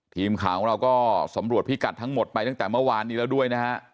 ทีมข่าวของเราก็สำรวจพิกัดทั้งหมดไปตั้งแต่เมื่อวานนี้แล้วด้วยนะฮะ